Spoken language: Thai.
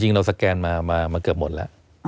เราสแกนมาเกือบหมดแล้ว